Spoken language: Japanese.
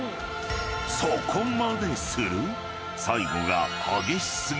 「そこまでする？」